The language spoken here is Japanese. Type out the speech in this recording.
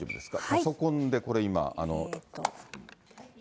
パソコンで今、これ。